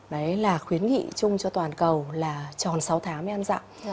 đấy là khuyến nghị chung cho toàn cầu là tròn sáu tháng mới ăn dặm